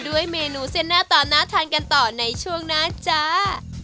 ด้วยเมนูเส้นหน้าตาน่าทานกันต่อในช่วงหน้าจ้า